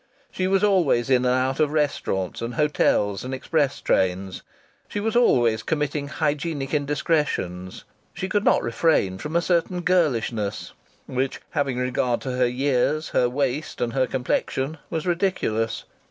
She was always in and out of restaurants and hotels and express trains. She was always committing hygienic indiscretions. She could not refrain from a certain girlishness which, having regard to her years, her waist and her complexion, was ridiculous.